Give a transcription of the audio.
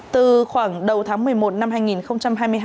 từ khoảng đầu tháng một mươi một năm hai nghìn hai mươi hai